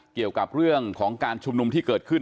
เกี่ยวกับเรื่องของการชุมนุมที่เกิดขึ้น